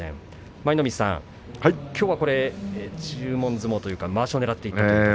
舞の海さん、きょうは注文相撲というかまわしをねらっていきましたね。